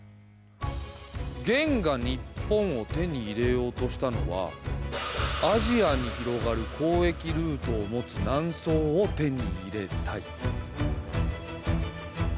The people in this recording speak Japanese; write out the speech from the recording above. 元が日本を手に入れようとしたのはアジアに広がる交易ルートを持つ南宋を手に入れたい。